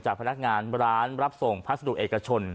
พนักงานร้านรับส่งพัสดุเอกชน